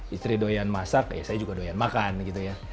istri doyan masak ya saya juga doyan makan gitu ya